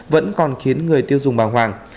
vẫn còn khiến người tiêu dùng bàng hoàng